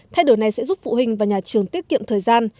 thay đổi này sẽ giúp phụ huynh và nhà trường tiết kiệm thời gian